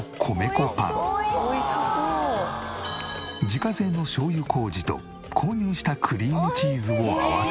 自家製のしょうゆ麹と購入したクリームチーズを合わせて。